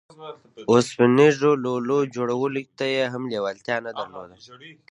اوسپنيزو لولو جوړولو ته يې هم لېوالتيا نه درلوده.